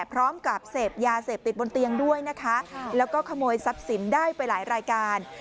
พร้อมกับเสพยาเสพติดบนเตียงด้วยนะคะแล้วก็ขโมยทรัพย์สินได้ไปหลายรายการ